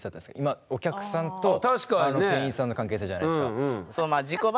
今お客さんと店員さんの関係性じゃないですか。